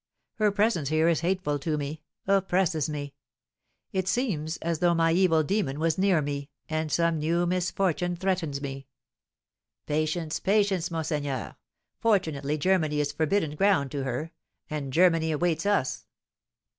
Her presence here is hateful to me, oppresses me; it seems as though my evil demon was near me, and some new misfortune threatens me." "Patience, patience, monseigneur! Fortunately Germany is forbidden ground to her, and Germany awaits us."